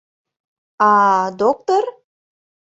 — А... доктыр?